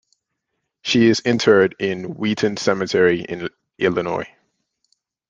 She is interred in Wheaton Cemetery in Illinois.